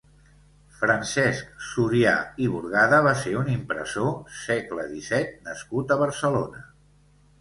Francesc Surià i Burgada va ser un impressor, segle disset nascut a Barcelona.